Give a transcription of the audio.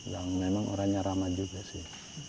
dan memang orangnya ramah juga sih